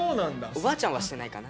おばあちゃんはしてないかな。